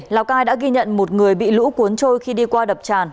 lào cai đã ghi nhận một người bị lũ cuốn trôi khi đi qua đập tràn